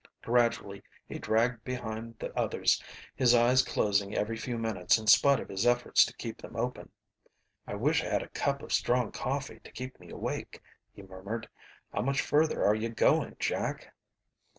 Gradually he dragged behind the others, his eyes closing every few minutes in spite of his efforts to keep them open. "I wish I had a cup of strong coffee to keep me awake," he murmured. "How much further are you going, Jack?"